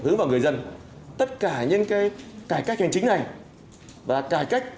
hướng vào người dân tất cả những cái cải cách hành chính này và cải cách